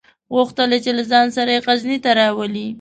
غوښتل یې چې له ځان سره یې غزني ته راولي.